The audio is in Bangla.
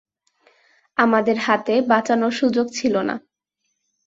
আমাদের হাতে বাঁচানোর সুযোগ ছিল না।